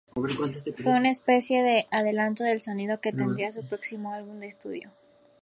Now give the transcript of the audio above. Fue una especie de adelanto del sonido que tendría su próximo álbum de estudio.